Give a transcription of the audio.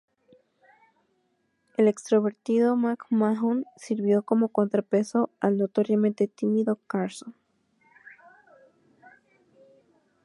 El extrovertido McMahon sirvió como contrapeso al notoriamente tímido Carson.